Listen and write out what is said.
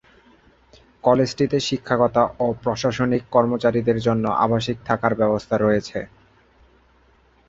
কলেজটিতে শিক্ষকতা ও প্রশাসনিক কর্মচারীদের জন্য আবাসিক থাকার ব্যবস্থা রয়েছে।